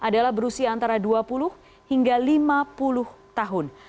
dari dua puluh hingga lima puluh tahun